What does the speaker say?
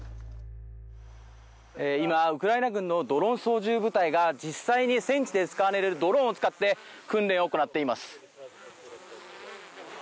今、ウクライナ軍のドローン操縦部隊が実際に戦地で使われるドローンを使って訓練を行っています。